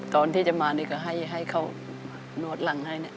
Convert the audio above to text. ตอนที่จะมาก็ให้เขานวดหลังให้